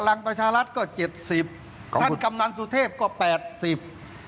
พลังประชารัฐก็เจ็ดสิบท่านกำลังสุทธิพย์ก็แปดสิบ